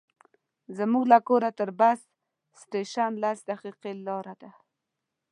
زموږ له کوره تر بس سټېشن لس دقیقې لاره ده.